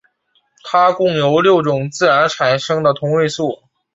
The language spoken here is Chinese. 它共有六种自然产生的同位素。